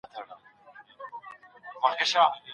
پلار او مور څنګه لانجه حل کولای سي؟